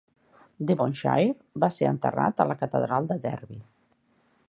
Devonshire va ser enterrat a la catedral de Derby.